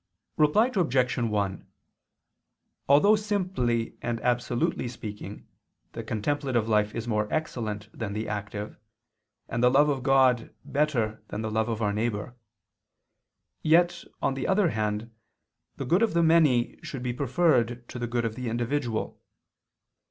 Reply Obj. 1: Although simply and absolutely speaking the contemplative life is more excellent than the active, and the love of God better than the love of our neighbor, yet, on the other hand, the good of the many should be preferred to the good of the individual.